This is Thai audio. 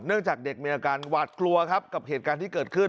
จากเด็กมีอาการหวาดกลัวครับกับเหตุการณ์ที่เกิดขึ้น